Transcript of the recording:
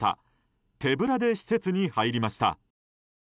手ぶらで施設に入りました。